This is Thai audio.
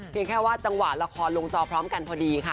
เพียงแค่ว่าเจ้าจังหวะราคอนลงด่อพร้อมกันพอดีค่ะ